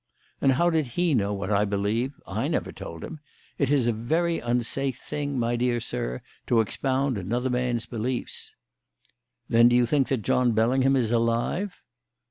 And how did he know what I believe? I never told him. It is a very unsafe thing, my dear sir, to expound another man's beliefs." "Then you think that John Bellingham is alive?"